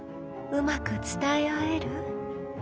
うまく伝え合える？